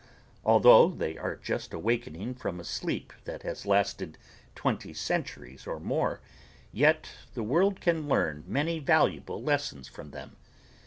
Although they are just awakening from a sleep that has lasted twenty centuries or more, yet the world can learn many valuable lessons from them.